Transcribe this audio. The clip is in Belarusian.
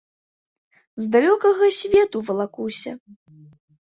З далёкага свету валакуся.